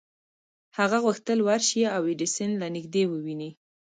هغه غوښتل ورشي او ایډېسن له نږدې وويني.